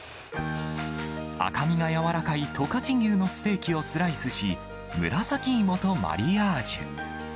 赤身が柔らかい十勝牛のステーキをスライスし、紫芋とマリアージュ。